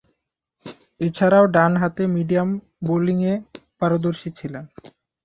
এছাড়াও, ডানহাতে মিডিয়াম বোলিংয়ে পারদর্শী ছিলেন।